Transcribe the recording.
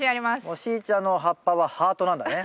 もうしーちゃんの葉っぱはハートなんだね。